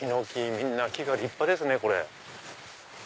みんな木が立派ですね。